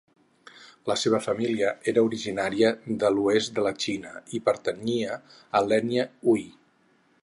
La seva família era originària de l'oest de la Xina i pertanyia l'ètnia Hui.